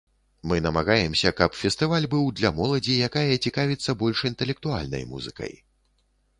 Мы намагаемся, каб фестываль быў для моладзі, якая цікавіцца больш інтэлектуальнай музыкай.